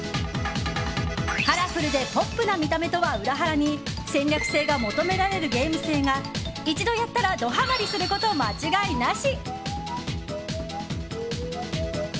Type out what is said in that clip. カラフルでポップな見た目とは裏腹に戦略性が求められるゲーム性が一度やったらドハマりすること間違いなし。